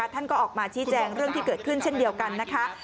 ท่านก็ออกมาชี้แจงเรื่องที่เกิดขึ้นเช่นเดียวกันนะคะ